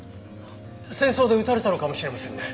戦争で撃たれたのかもしれませんね。